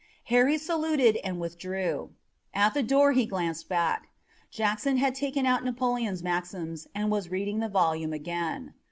Harry saluted and withdrew. At the door he glanced back. Jackson had taken out Napoleon's Maxims and was reading the volume again.